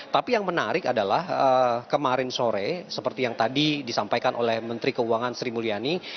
tapi yang menarik adalah kemarin sore seperti yang tadi disampaikan oleh menteri keuangan sri mulyani